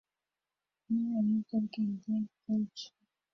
Kunywa ibiyobyabwenge byinshi